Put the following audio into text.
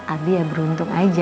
abi ya beruntung aja